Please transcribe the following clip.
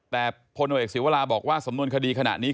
แต่พลโนเอกศิวราบอกว่าสำนวนคดีขณะนี้